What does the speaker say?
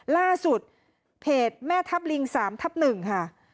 ล่าสุดเพจแม่ทัพลิง๓ทับ๑ค่ะ